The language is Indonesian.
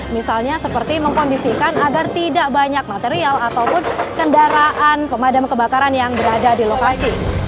misalnya seperti mengkondisikan agar tidak banyak material ataupun kendaraan pemadam kebakaran yang berada di lokasi